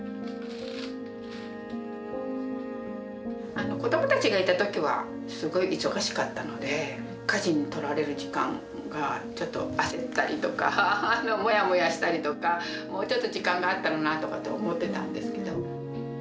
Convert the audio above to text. あの子どもたちがいた時はすごい忙しかったので家事に取られる時間がちょっと焦ったりとかモヤモヤしたりとかもうちょっと時間があったらなとかって思ってたんですけど。